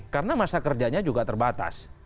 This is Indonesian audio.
karena kerjanya juga terbatas